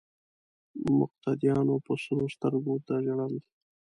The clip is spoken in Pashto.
مقتدیانو په سرو سترګو ورته ژړل.